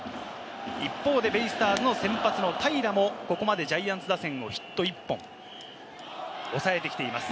一方でベイスターズの先発の平良もここまでジャイアンツ打線をヒット１本、抑えてきています。